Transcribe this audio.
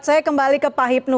saya kembali ke pak hipnu